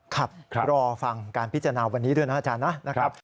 ครับรอฟังการพิจารณาวันนี้ด้วยนะอาจารย์นะครับ